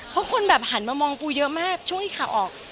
เพราะคนแบบหันมามองปูเยอะมากช่วงที่ข่าวออก